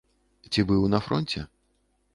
Ці быў на фронце?